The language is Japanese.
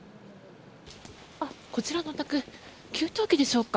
こちらのお宅給湯器でしょうか